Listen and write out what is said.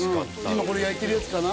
今これ焼いてるやつかな？